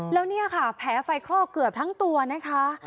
แล้วเนี่ยค่ะแผลไฟคลอกเกือบทั้งตัวนะคะ